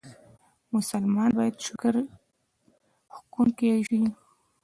مسلمانان بايد شکرکښونکي سي.